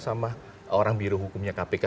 sama orang biru hukumnya kpik